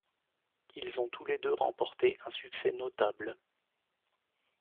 Ils ont tous les deux remporté un succès notable.